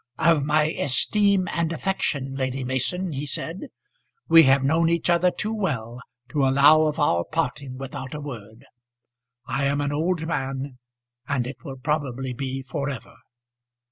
"Of my esteem and affection, Lady Mason," he said. "We have known each other too well to allow of our parting without a word. I am an old man, and it will probably be for ever."